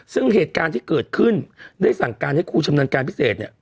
ซึ่งเหตุการณ์ที่เกิดขึ้นได้สั่งการให้ครูชำนาญการพิเศษเนี่ย